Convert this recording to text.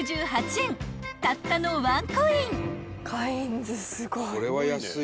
［たったのワンコイン］